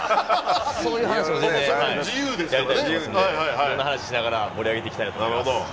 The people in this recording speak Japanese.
いろんな話しながら盛り上げていきたいと思います。